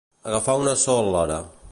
Agafar una sól·lera.